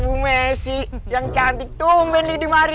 bu messi yang cantik tuh umbin didi marie mau apain nih